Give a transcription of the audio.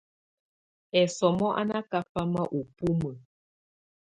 Ɛsɔmɔ á ná ákáná ú bumǝ.